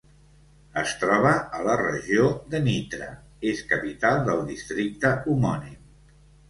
Es troba a la regió de Nitra, és capital del districte homònim.